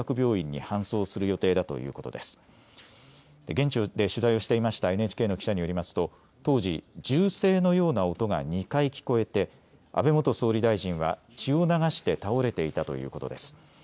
現地で取材していましたＮＨＫの記者によりますと当時、銃声のような音が２回、聞こえて安倍元総理大臣は血を流して倒れていたということです。